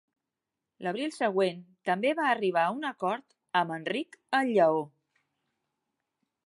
L'abril següent també va arribar a un acord amb Enric el Lleó.